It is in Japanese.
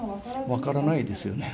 分からないですよね。